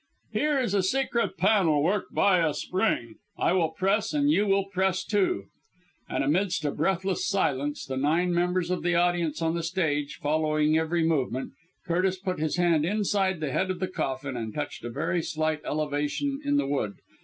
"Here is a secret panel worked by a spring. I will press, and you will press too." And amidst a breathless silence the nine members of the audience on the stage following every movement Curtis put his hand inside the head of the coffin and touched a very slight elevation in the wood.